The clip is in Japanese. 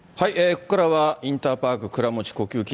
ここからはインターパーク倉持呼吸器